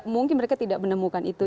mungkin mereka tidak menemukan itu